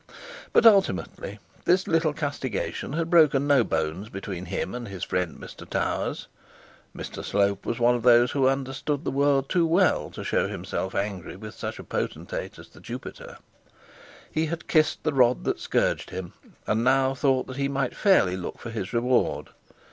But ultimately this little castigation had broken no bones between him and his friend Mr Towers. Mr Slope was one of those who understood the world too well to show himself angry with such a potentate as the Jupiter. He had kissed the rod that scourged him, and now thought that he might fairly look for his reward.